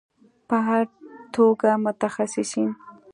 په هر توګه متخصصین